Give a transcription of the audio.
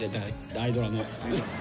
アイドラの。